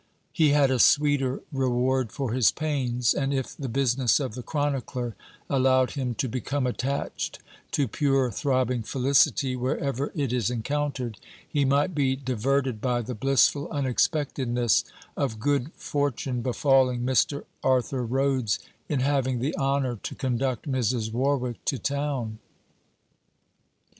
He had a sweeter reward for his pains; and if the business of the chronicler allowed him to become attached to pure throbbing felicity wherever it is encountered, he might be diverted by the blissful unexpectedness of good fortune befalling Mr. Arthur Rhodes in having the honour to conduct Mrs. Warwick to town.